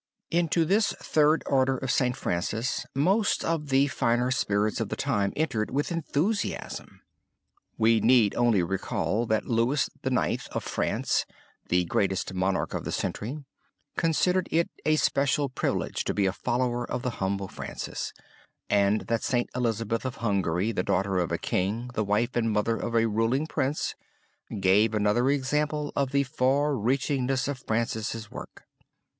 Into this Third Order of St. Francis most of the finer spirits of the time entered with enthusiasm. We need only recall that Louis IX. of France, the greatest Monarch of the century, considered it a special privilege to be a follower of the humble Francis, and that St. Elizabeth of Hungary, the daughter of a king, the wife and mother of a ruling prince, gave another example of the far reachingness of Francis' work.